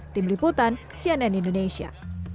tim riputan cnn indonesia